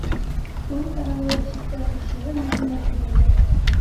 Ул арала ишектә күршеһе Маһинур күренде: